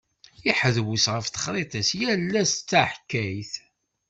Iḥdewwes ɣef texṛiṭ-is, yal ass d taḥkayt.